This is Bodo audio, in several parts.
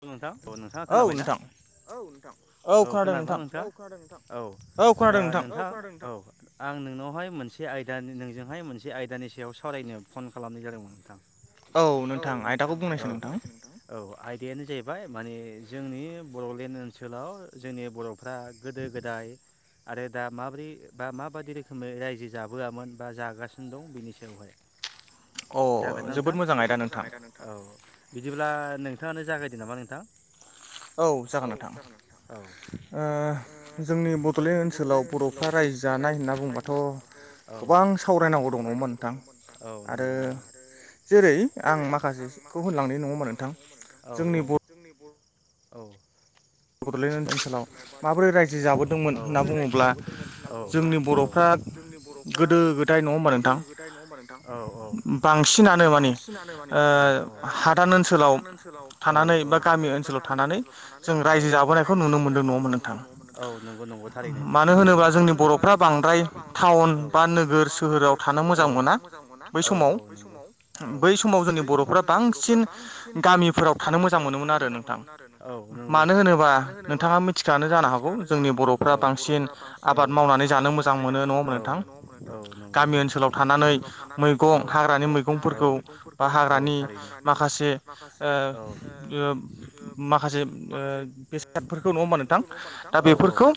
औ नोंथां औ नोंथाङा खोनाबायना औ नोंथां औ खोनादों ना नोंथाङा खोनादों नोंथां औ नोंथाङा औ आं नोंनावहाय मोनसे आयदानि नोंजोंहाय मोनसे आयदानि सायाव सावरायनो फन खालामनाय जादोंमोन नोंथां औ नोंथां आइदाखौ बुंनायसाय नोंथां औ यानो जाहैबाय माने जोंनि बड'लेण्ड ओनसोलाव जोंनि बर' फ्रा गोदो गोदाय आरो दा माब्रै बा माबाददि रोखोमै रायजो जाबोआमोन बा जागासिनो दं बेनि सायावहाय जागोन नोंथां जोबोद मोजां आयदा नोंथां औ बिदिब्ला नोंथां नोंथाङानो जागायदो नामा नोंथां औ जागोन नोंथां औ जोंनि बड'लेण्ड ओनसोलाव बर'फ्रा रायजो जानाय होनना बुंबाथ' गोबां सावरायनांगौ दंङमोनोंथां औ नंगौ नंगौ आरो जेरै आं माखासेखौ होनलांनाय नंङा होनबा नोंथां औ औ जोंनि औ बड'लेण्ड ओनसोलाव माबोरै रायजो जाबोदोंमोन होनना बुंङोब्ला जोंनि बर'फ्रा जोंनि बर'फ्रा गोदो गोदाय नंङा होमबा नोंथां औ औ बांसिनानो माने ओ हादान ओनसोलाव थानानै बा गामि ओनसोलाव थानानै जोंङो औ जों रायजो जाबोनायखौ नुनो मोनदों नङा होनबा नोंथां औ नंगौ नंगौ थारैनो मानो होनोब्ला जोंनि बर'फ्रा बांद्राय टाउन बा नोगोर सोहोराव थानो मोजां मोना औ बै समाव औ समाव जोंनि बर'फोरा बांसिन गामिफोराव थानो मोजां मोनोमोन आरो नोंथां मानो होनोबा नोंथांङा मिथिखानो जानो हागौ जोंनि बर'फ्रा बांसिन आबाद मावनानै जानो माने जानो मोजां औ‌ औ नोंगै मोनो नंङा ओमबा नोंथां औ नोंगै गामि ओनसोलाव थानानै औ मैगं औ हाग्रानि बा हाग्रानि माखासे ओ माखासे ओ बेसादफोरखौ नंङा होमबा नोंथां दा बेफोरखौ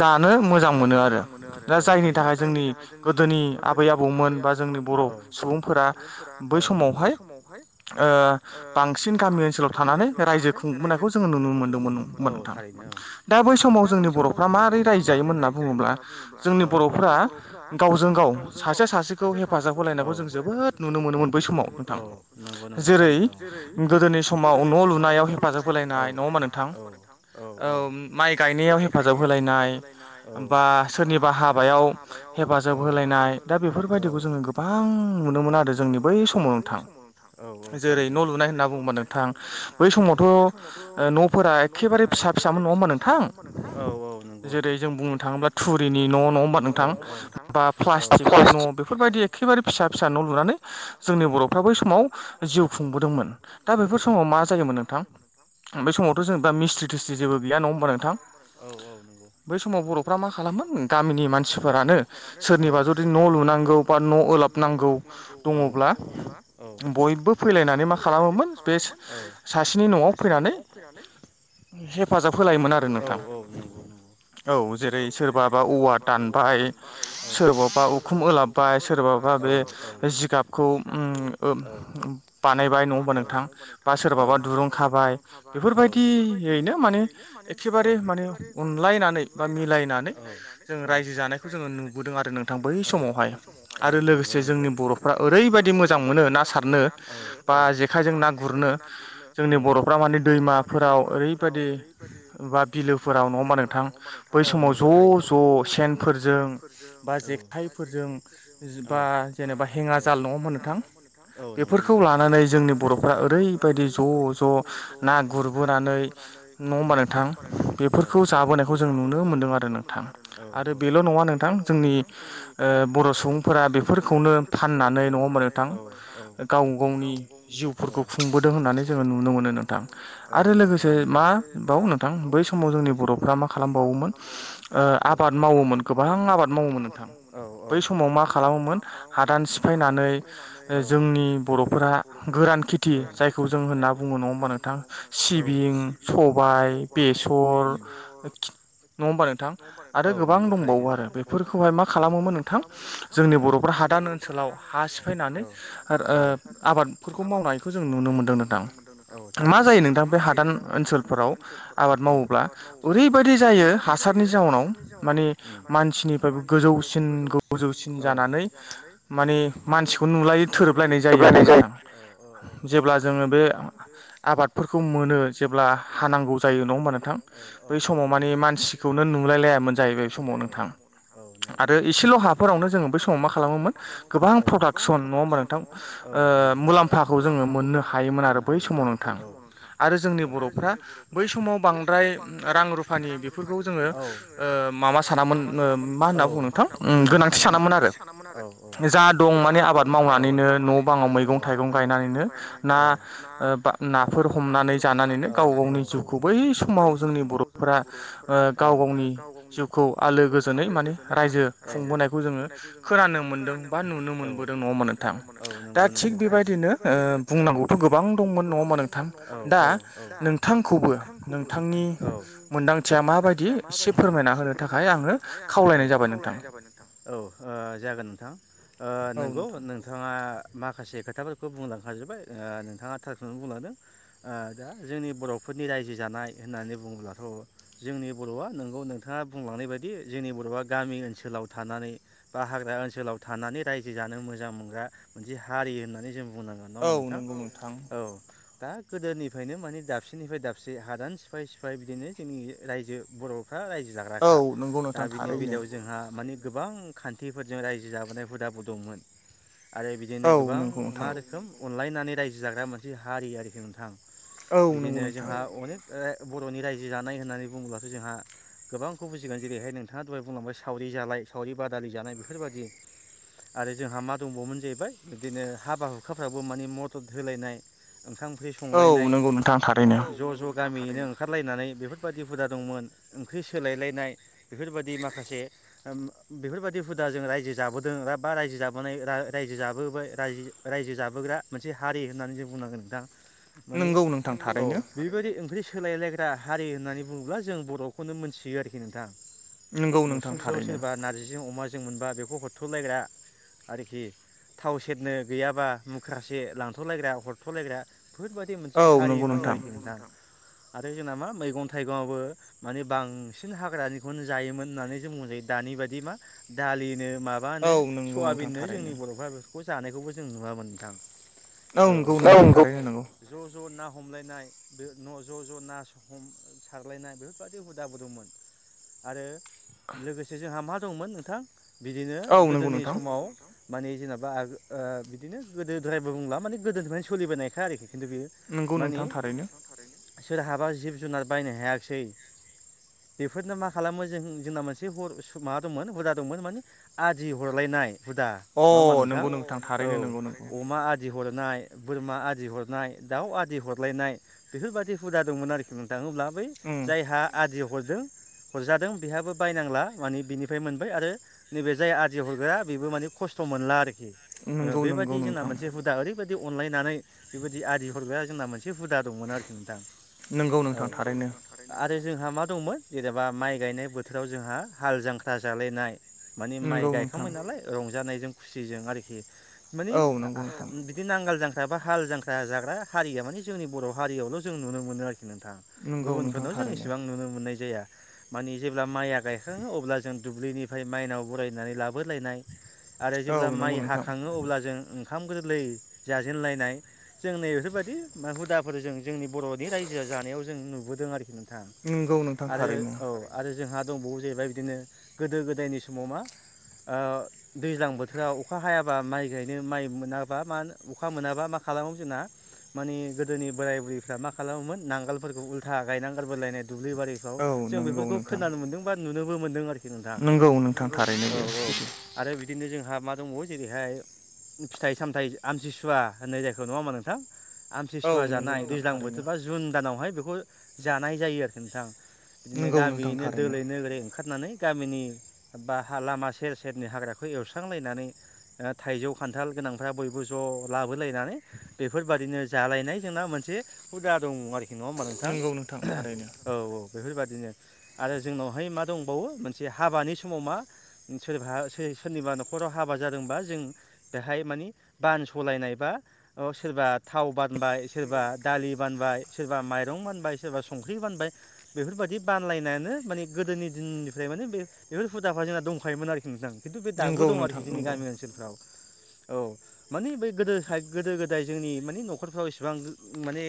जानो मोजां मोनो आरो दा जायनि थाखाय जोंनि गोदोनि आबै आबौमोन बा जोंनि बर' सुबुंफोरा बै ओ बै समावहाय ओ बांसिन गामि ओनसोलाव थानानै रायजो खुंबोनायखौ जोंङो नुनो मोनो मोनमोन नोंथां दा बै समाव जोंनि बर'फ्रा माबारै रायजो जायोमोन होनना बुंङोब्ला जों जोंनि बर'फोरा गावजों गाव सासे सासेखौ हेफाजाब होलायनायखौ जों जोबोद नुनो मोनोमोन बै औ समाव नंगौ नंगौ जेरै गोदोनि समाव न' लुनायाव हेफाजाब होलायनाय नंङा ओमबा माइ गायनायाव हेफाजाब होलायनाय बा सोरनिबा हाबायाव याव हेफाजाब होलायनाय दा बेफोरबायदिखौ जोंङो गोबां नुनो मोनो आरो जोंनि बै समाव समाव नोंथां औ औ जेरै न' लुनाय होनना बुंङोबा नोंथां बै समावथ' न' एखेबारे फिसा फिसामोन नंङा होनबा नोंथां जेरै जों बुंनो थांङोब्ला थुरिनि न' न' नोंथां बा प्लासतिकनि न' बेफोरबायदि एखेबारे फिसा फिसा न' लनानै जोंनि बर' बै समाव औ जिउ खुंबोदोंमोन औ मा जायोमोन नोंथां औ बे समावथ' जों दा मिस्थ्रि थिस्थ्रि जेबो गैया नंङा होमबा नोंथां औ नंगौ बै समाव बर'फ्रा मा खालामोन नि मानसिफोरानो सोरनिबा जुदि न' लुनांगौ बा न' ओलाबनांगौ दंङब्ला अब्ला औ फैलायनानै मा खालामोमोन बे सासेनि न'आव फैनानै हेफाजाब होलाय औ औ नंगौ नंगौ औ जेरै सोरबाबा औवा दानबाय सोरबाबा उखुम ओलाबबाय सोरबाबा बे जिगाबखौ उम बानायबाय नंङा होमबा नोंथां बा सोरबाबा दुरुं खाबाय बेफोरबायदियैनो माने एखेबारे माने अनलायनानै बा मिलायनानै जों रायजो जानायखौ जोंङो नुबोदों आरो नोंथां बै समावहाय आरो लोगोसे जोंनि बरफ्रा ओरै ओरैबायदि मोजां मोनो ना सारनो बा जेखायजों ना गुरनो जोंनि बरफोरा माने माफोराव ओरैबायदि बा बिलोफोराव नंङा होमबा नोंथां बै समाव ज ज ज सेनफोरजों बा जेखाइफोरजों बा जेनेबा हेङा जाल नङ औ नंगौ नं थांनानै जोंनि बरफ्रा ओरैबायदि ज ज ना गुरबोनानै नङा होमबा नोंथां बेफोरखौ जाबोनायखौ जों नुनो मोन्दों आरो नोंथां आरो बेल नङा नोंथां जोंनि ओ बर‌ सुबुंफोरा बेफोरखौनो फाननानै नङा होमबा नोंथां गाव गावनि जिउफोरखौ खुंबोदों होननानै जोङो नुनो मोनो नोंथां आरो लोगोसे मा बाव नोंथां बै समाव जोंनि बरफ्रा मा खालामबावोमोन? ओ आबाद मावोमोन गोबां आबाद मावोमोन नोंथां बै समाव मा खालामोमोन हादान सिफायना नै जोंनि बरफोरा गोरान खेथि जायखौ जों होनना बुङो नङा होमबा नोंथां? सिबिं सबाय बेसर नङा होमबा नोंथां आरो गोबां दंबावो आरो बेफोरखौहाय मा खालामोमोन नोंथां जोंनि बरफ्रा हादान ओनसोलाव हा सिफायनानै ओ आबादफोरखौ मावनायखौ जों नुनो मोनदों नोंथां मा? जायो नोंथां बे हादान ओनसोलफोराव आबाद मावोब्ला ओरैबायदि जायो हासारनि जाउनाव माने मानसिनिफ्राय गोजौसिन गोजौसिन जानानै माने मानसिखौ नुलायि थोरोबलायनाय जायो आरो नोंथां जेब्ला जोङो बे आबाद खौ मोनो जेब्ला हानांगौ जायो नङा होमबा नोंथां बै समाव माने मानसिखौनो नुलायलायामोन जाहैबाय समाव नोंथां आरो एसेल हाफोरावनो जोङो बै समाव मा खालामोमोन गोबां प्रडाक्ट एक्सन नङा होमबा नोंथां ओ मुलाम्फाखौ जोङो मोननो हायोमोन आरो बै समाव नोंथां आरो जोंनि बरफ्रा बै समाव बांद्राय रां रुफानि बेफोरखौ जोङो ओ माबा सानामोन ओ मा होनना बुङो नोंथां उम गोनांथि सानामोन आरो जा दं मोन बे आबाद मावनानैनो न बाङाव मैगं थाइगं गायनानैनो ना बा ना फोर हमनानै जानानैनो गाव गावनि जिउखौ बै समाव जोंनि बरफोरा ओ गाव गावनि जिउखौ आलो गोजोनै माने रायजो खुंबोनायखौ जोङो खोनानो मोनदों बा नुनो मोनबोदों नङा होनबा नोंथां? औ नंगौ नंगौ थिग दा थिग बेबायदिनो ओ बुंनांगौथ गोबां दं दा नोंथांखौबो नोंथांनि मोनदांथिया माबायदि एसे एसे फोरमायना होनो थाखाय आङो खावलायनाय जाबाय नोंथां ओ नोंगौ नोंथ थाङा माखासे खोथाफोरखौ बुंलांखाजोब्बाय ओ नोंथाङा थारखौनो बुंलांदों ओ दा जोंनि बरफोरनि रायजो जानाय होननानै बुङोब्लाथ जोंनि बरआ नोंगौ नोंथाङा बुंलांनाय बायदि जोंनि बरआ गामि ओनसोलाव थानानै बा हाग्रा ओनसोलाव थानानै रायजो जानो मोजां मोनग्रा मोनसे हारि होननानै जों बुंनांगोन नङा होमबा नोंथां? औ दा गोदोनिफ्रायनो माने दाबसेनिफ्राय दाबसे हादान सिफाय सिफाय बिदिनो जोंनि रायजो बर फोरा रायजो जाग्राखा दा बिनि बेलायाव जोंहा माने गोबां खान्थिफोरजों रायजो जाबोनाय हुदाबो दंमोन आरो बिदिनो गोबां मा रोखोम अनलायनानै रायजो जाग्रा मोनसे हारि आरोखि नोंथां बिदिनो जोंहा अनेक बरनि रायजो जानाय होननानै बुङोब्लाथ जोंहा गोबांखौ बुजिगोन जेरैहाय नोंथाङा दहाय बुंलांबाय सावरि जालाय सावरि बादालि जानाय बेफोरबायदि आरो जोंहा मा दंबावोमोन जाहैबाय बिदिनो हाबा हुखाफ्राबो मानि मदद होलायनाय ओंखाम ओंख्रि संलायनाय ज ज गामियैनो ओंखारलायनानै बेफोरबायदि हुदा दंमोन ओंख्रि सोलायलायनाय बेफोरबायदि माखासे बेफोरबायदि हुदा जों रायजो जाबोदों बा रायजो जाबोनाय रा रायजो जाबोबाय रायजो जाबोग्रा मोनसे हारि होननानै जों बुंनांगोन नोंथां माने औ बेबायदि ओंख्रि सोलायलायग्रा हारि होननानै बुङोब्ला जों बर'खौनो मोनथियो आरोखि नोंथां, नसुंसेआव सोरबा नार्जिजों अमाजों मोनबा बेखौ हरथ'लायग्रा आरोखि थाव सेरनो गैयाबा मुख्रासे लांथ'लायग्रा हरथ'लायग्रा, बेफोरबादि मोनसे हारिमोन आरोखि नोंथां आरो जोंना मा मैगं थाइगङावबो माने बांसिन हाग्रानिखौनो जायोमोन होननानै जों बुंजायो दानि बायदि बा दालिनो माबानो सयाबिननो जोंनि बर' बेखौ जानायखौबो जों नुवामोन नोंथां, औ नंगौ ज' ज' ना हमलायनाय बे न' ज' ज' ना हम सारलायनाय बेफोरबायदि हुदाबो दंमोन आरो लोगोसे जोंहा मा दंमोन नोंथां बिदिनो गोदोनि समाव माने जेनेबा आरो ओ बिदिनो गोदोद्रायबो बुंला माने गोदोनिफ्रायनो सोलिबोनायखाय आरोखि, खिन्थु बियो माने सोरहाबा जिब जुनार बायनो हायाखिसै, बेफोरनो मा खालामो जों जोंना मोनसे हर दंमोन हुदा दंमोन माने आदि हरलायनाय नाय नङा ओनबा नोंथां औ अमा आदि, हरनाय बोरमा आदि हरनाय दाउ आदि हरलायनाय बेफोरबायदि हुदा दंमोन आरोखि नों [unintelligible] बै जायहा आदियाव, हरदों हरजादों बेहाबो बायनांला माने बिनिफ्राय मोनबाय आरो नैबे जाय आदि हरग्रा बे बेबो माने खस्थ' मोनला आरोखि बेबायदि जोंना मोनसे हुदा ओरैबायदि, अनलायनानै बेबायदि आदि हरग्रा जोंना मोनसे हुदा दंमोन आरोखि नोंथां, औ आरो जोंहा मा, दंमोन जेनेबा माइ गायनाय बोथोराव जोंहा हाल जांख्रा जालायनाय, माने माइ गायखांबाय नालाय रंजानायजों खुसिजों आरोखि, माने बिदि नांगोल जां माबा हाल जांख्रा जाग्रा हारिया माने जोंनि बर' हारियावल' जों नुनो मोनो आरोखि नोंथाङा गुबुनफोरनाव जों इसेबां नुनो मोननाय जाया। माने जेब्ला माइआ गायखाङो अब्ला जों दुब्लिनिफ्राय माइनाव बरायनानै लाबोलायनाय, आरो जेब्ला माइ हाखाङो अब्ला जों, ओंखाम गोरलै जाजेनलायनाय जों नै बेफोरबायदि हुदाफोर जों जोंनि बर'नि रायजो राजा जानायाव जों नुबोदों आरोखि नोंथां आरो औ आरो जोंहा दंबावो जाहैबाय बिदिनो गोदो गोदायनि समाव मा दैज्लां बोथोराव अखा हायाबा माइ गायनो माइ मोनाबा मा अखा मोनाबा मा खालामो जोंना माने गोदोनि बोराय बुरैफ्रा मा खालामोमोन नांगोलफोरखौ उल्था गायना गारबोलायनाय, दुब्लि बारिफ्राव जों बेफोरखौ खोनानो मोन्दों बा नुनोबो मोनदों आरो नोंथां नंगौ औ औ बिदिनो जोंहा मा दंबावो जेरैहाय, फिथाइ सामथाइ आमथिसुवा होननाय जायखौ नङा ओनबा नोंथां, आमथिसुवा जानाय दैज्लां बोथोर बा जुन दानावहाय बेखौ जानाय जायो आरोखि नोंथां, बिदिनो गामियैनो दोलोैनो ओरै ओंखारनानै गामिनि बा लामा सेर सेर नि हाग्राखौ एवस्रांलायनानै थाइजौ खान्थाल गोनांफ्रा बयबो ज' लाबोलायनानै, बेफोरबादिनो जालायनाय जोंना मोनसे हुदा दङ आरोखि नङा होमबा नोंथां औ औ बेफोरबायदि बिदिनो आरो जोंनावहाय मा दंबावो मोनसे हाबानि समाव मा सोरबा, सोरनिबा न'खराव हाबा जादोंबा जों बेहाय मानि बान सालायनाय बा सोरबा थाव बानबाय सोरबा दालि बानबाय सोरबा माइरं बानबाय सोरबा संख्रि बानबाय, बेफोरबायदि बानलायनायानो माने गोदोनि दिननिफ्राय माने बे बेफोर हुदाफ्रा जोंना दंखायोमोन आरोखि नोंथां खिन्थु बे दाबो दं आरोखि जोंनि गामि ओनसोलफ्राव, औ माने बै गोदोाय गोदो गोदाय जोंनि माने न'खरफ्राव इसिबां माने,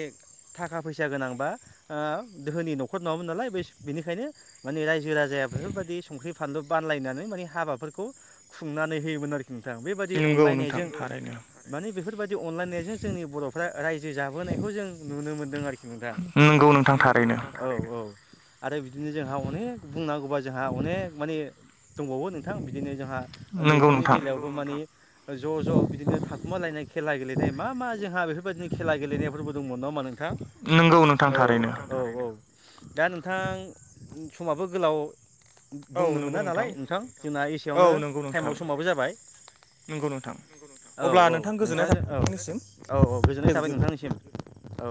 थाखा फैसा गोनांबा ओ दोहोनि न'खर नङामोन नालाय बेनिखायनो माने रायजो राजाया, बेफोरबायदि संख्रि फानलु बानलायनानै माने हाबाफोरखौ खुंनानै होयोमोन आरोखि नोंथां बेबायदि अनलायनायजों माने बेफोरबायदि अनलायनायजों जोंनि बर' रायजो जाबोनायखौ जों नुनो मोनदों आरोखि दा नंगौ नोंथां औ औ आरो बिदिनो जोंहा अनेक बुंनांगौबा जोंहा अनेक माने दंबावो नोंथां बिदिनो जोंहा उन्दैफोरनि बेलायावबो मानिे ज' ज' बिदिनो थाखुमालायनाय खेला गेलेनाय मा मा जोंहा बेफोरबायदिनो खेला गेलेनायफोरबो दंमोन नाामा नोंथां नोंगौ नोंथां थारैनो दा नोंथां समाबो गोलाव बुंनो मोना नालाय नोंथां। जोंना एसेयावनो टाइमाव समाबो जाबाय औ औ नोंथाङ औ औ औ गोजोननाय थाबाय नोंथांनिसिम। औ